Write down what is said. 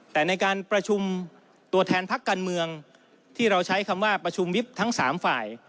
แต่ในการประชุมตัวแทนพักการเมืองที่เราใช้คำว่าประชุมวิบทั้ง๓ฝ่าย